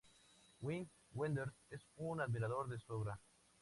Wim Wenders es un admirador de su obra.